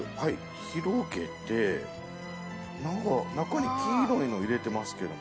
広げて何か中に黄色いの入れてますけども。